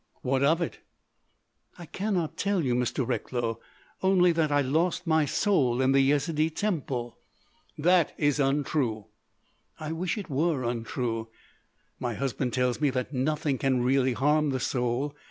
"What of it?" "I can not tell you, Mr. Recklow.... Only that I lost my soul in the Yezidee Temple——" "That is untrue!" "I wish it were untrue.... My husband tells me that nothing can really harm the soul.